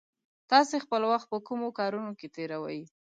تاسې خپل وخت په کومو کارونو کې تېروئ؟